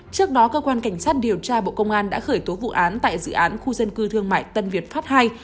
trước đó cơ quan cảnh sát điều tra bộ công an đã khởi tố vụ án tại dự án khu dân cư thương mại tân việt pháp ii